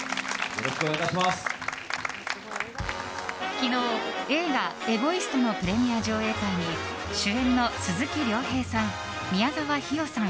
昨日、映画「エゴイスト」のプレミア上映会に主演の鈴木亮平さん宮沢氷魚さん